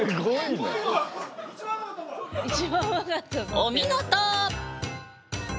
お見事！